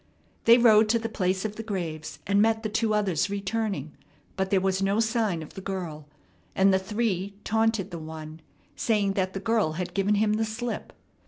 They rode to the place of the graves, and met the two others returning; but there was no sign of the girl, and the three taunted the one, saying that the girl had given him the slip.